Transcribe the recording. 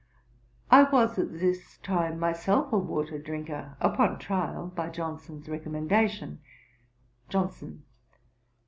'" I was at this time myself a water drinker, upon trial, by Johnson's recommendation. JOHNSON.